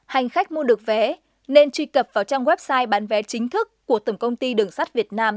hành khách mua được vé nên truy cập vào trang website bán vé chính thức của tổng công ty đường sắt việt nam